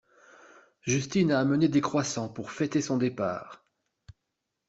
Justine a amené des croissants pour fêter son départ.